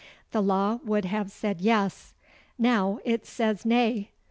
The law would have said yes. Now, it says nay.